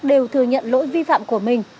đều thừa nhận lỗi vi phạm của mình